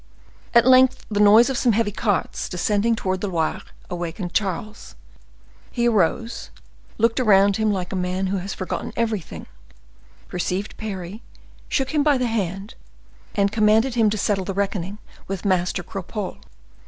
At length the noise of some heavy carts descending towards the Loire awakened Charles. He arose, looked around him like a man who has forgotten everything, perceived Parry, shook him by the hand, and commanded him to settle the reckoning with Master Cropole.